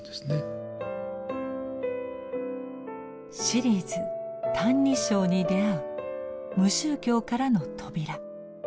シリーズ「歎異抄にであう無宗教からの扉」。